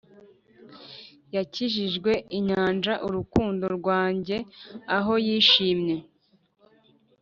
yakijijwe inyanja urukundo rwanjye aho yishimye